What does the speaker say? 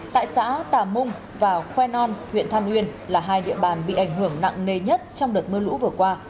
tại xã tà mung và khoen on huyện tham nguyên là hai địa bàn bị ảnh hưởng nặng nề nhất trong đợt mưa lũ vừa qua